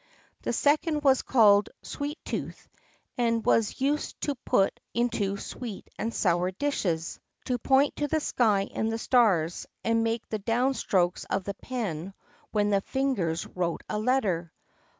The second was called Sweet tooth, and was used to put into sweet and sour dishes, to point to the sky and the stars, and to make the down strokes of the pen when the fingers wrote a letter.